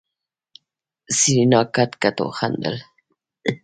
سېرېنا کټ کټ وخندل.